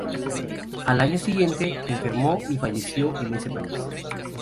Al año siguiente, enfermó y falleció en ese país.